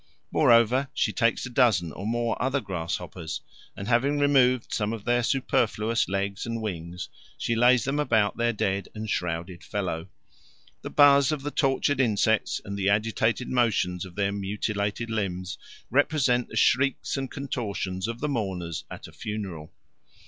Moreover, she takes a dozen or more other grasshoppers, and having removed some of their superfluous legs and wings she lays them about their dead and shrouded fellow. The buzz of the tortured insects and the agitated motions of their mutilated limbs represent the shrieks and contortions of the mourners at a funeral.